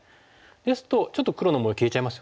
ですとちょっと黒の模様消えちゃいますよね。